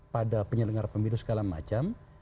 pada penyelenggara pemilu segala macam